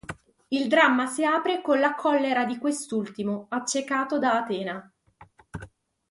Il dramma si apre con la collera di quest'ultimo, accecato da Atena.